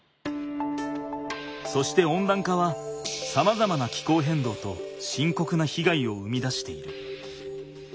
そして温暖化はさまざまな気候変動としんこくなひがいを生み出している。